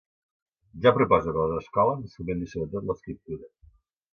Jo proposo que a les escoles es fomenti sobretot l’escriptura.